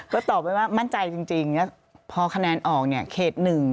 ก็ตอบไปว่ามั่นใจจริงจริงแล้วพอคะแนนออกเนี้ยเขตหนึ่ง